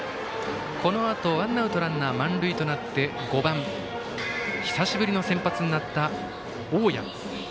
このあとワンアウトランナー満塁となって５番、久しぶりの先発となった大矢。